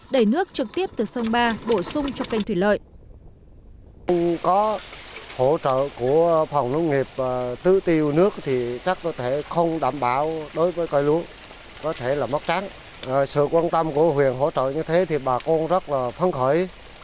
đẩy nước trực tiếp từ sông ba bổ sung cho kênh thủy lợi